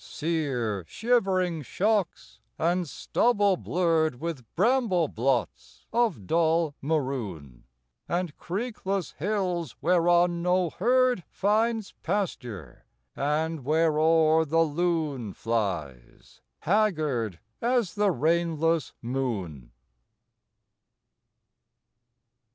Sear, shivering shocks, and stubble blurred With bramble blots of dull maroon; And creekless hills whereon no herd Finds pasture, and whereo'er the loon Flies, haggard as the rainless moon.